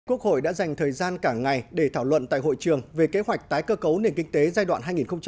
quốc hội đã dành thời gian cả ngày để thảo luận tại hội trường về kế hoạch tái cơ cấu nền kinh tế giai đoạn hai nghìn hai mươi một hai nghìn hai mươi năm